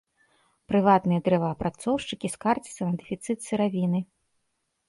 Прыватныя дрэваапрацоўшчыкі скардзяцца на дэфіцыт сыравіны.